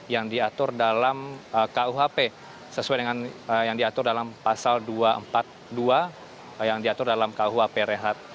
yang diatur dalam kuhp sesuai dengan yang diatur dalam pasal dua ratus empat puluh dua yang diatur dalam kuhp rehat